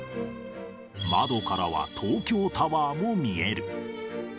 窓からは東京タワーも見える。